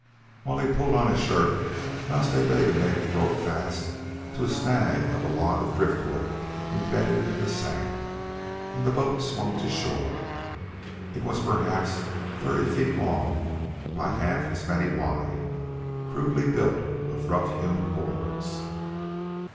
While he pulled on a shirt Nas Ta Bega made the rope fast to a snag of a log of driftwood embedded in the sand, and the boat swung to shore. It was perhaps thirty feet long by half as many wide, crudely built of rough hewn boards.